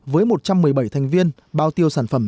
với một trăm một mươi bảy thành viên bao tiêu sản phẩm